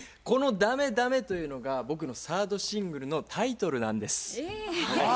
この「ダメダメ」というのが僕のサードシングルのタイトルなんです。